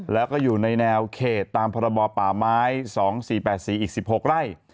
แล้วก็อยู่ในแนวเขตตามพรบป่าไม้๒๔๘๔อีก๑๖ไร่